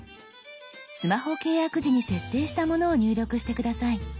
スマホ契約時に設定したものを入力して下さい。